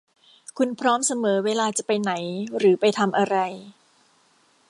คุณพร้อมเสมอเวลาจะไปไหนหรือไปทำอะไร